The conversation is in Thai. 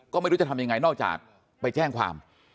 ก็ไม่รู้จะทำยังไงนอกจากไปแจ้งความ